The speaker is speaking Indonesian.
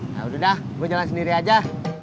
nah udah dah gua jalan sendiri aja